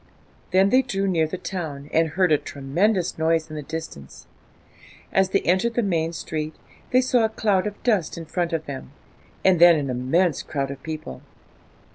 Then they drew near the town, and heard a tremendous noise in the distance. As they entered the main street, they saw a cloud of dust in front of them, and then an immense crowd of people.